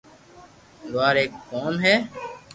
لوھار ايڪ قوم ھي